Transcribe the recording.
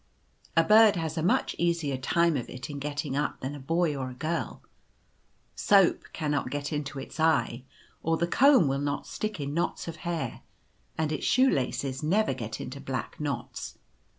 A bird has a much easier time of it in getting up than a boy or a girl. Soap cannot get into its eye ; or the comb will not stick in knots of hair, and its shoe laces never get into black knots.